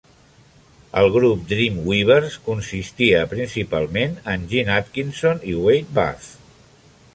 Els grup Dream Weavers consistia principalment en Gene Adkinson i Wade Buff.